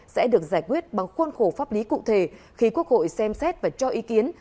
sẽ được giải quyết bằng khuôn khổ pháp lý cụ thể khi quốc hội xem xét và cho ý kiến